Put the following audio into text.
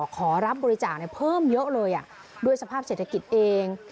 ขอรับบริจาคเพิ่มเยอะเลยด้วยสภาพเศรษฐกิจเอง